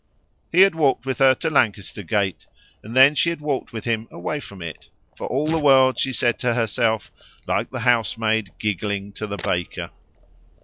He had walked with her to Lancaster Gate, and then she had walked with him away from it for all the world, she said to herself, like the housemaid giggling to the baker.